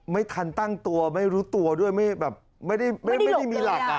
ไม่ทันตั้งตัวไม่รู้ตัวด้วยไม่แบบไม่ได้มีหลักอ่ะ